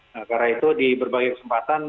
nah karena itu di berbagai kesempatan